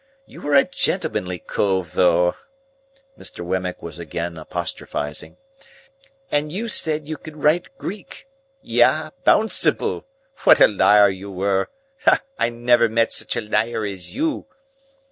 You were a gentlemanly Cove, though" (Mr. Wemmick was again apostrophising), "and you said you could write Greek. Yah, Bounceable! What a liar you were! I never met such a liar as you!"